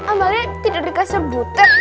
amalia tidur di kasur butet